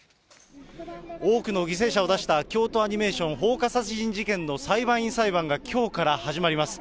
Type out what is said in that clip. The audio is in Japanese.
多くの犠牲者を出した京都アニメーション放火殺人事件の裁判員裁判が、きょうから始まります。